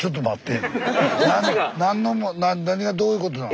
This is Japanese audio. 何がどういうことなの？